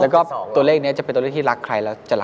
คุณสิโอริน่าชัดทองคุณนาเด่อ